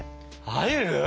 入る？